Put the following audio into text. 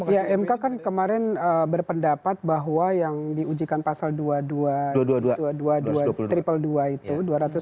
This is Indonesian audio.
ya mka kan kemarin berpendapat bahwa yang diujikan pasal dua ratus dua puluh dua itu dua ratus dua puluh dua